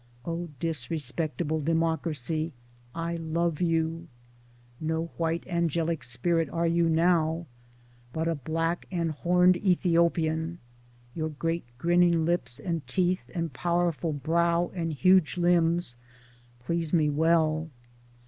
0 disrespectable Democracy ! I love you. No white angelic spirit are you now, but a black and horned Ethio pian— your great grinning lips and teeth and powerful brow and huge limbs please me well.